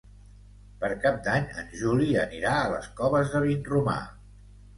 Per Cap d'Any en Juli anirà a les Coves de Vinromà.